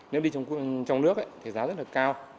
nếu đi trong nước thì giá rất là cao